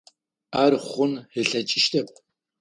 Ар хъун ылъэкӏыщтэп.